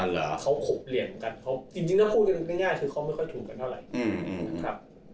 เขาขบเหลี่ยนกันจริงถ้าพูดง่ายคือเขาไม่ค่อยถูกกันเท่าไหร่